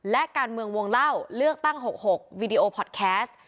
และการเมืองวงเล่าเลือกตั้ง๖๖วิดีโอพอร์ตแคสต์